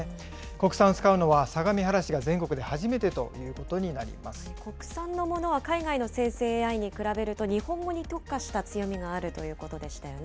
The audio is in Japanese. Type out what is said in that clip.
国産を使うのは相模原市が全国で国産のものは海外の生成ＡＩに比べると、日本語に特化した強みがあるということでしたよね？